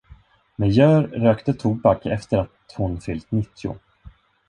Meilleur rökte tobak efter att hon fyllt nittio.